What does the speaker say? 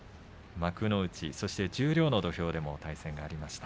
幕内、十両の土俵でも対戦がありました。